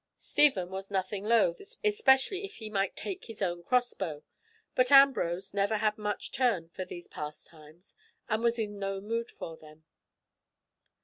Stephen was nothing loth, especially if he might take his own crossbow; but Ambrose never had much turn for these pastimes and was in no mood for them.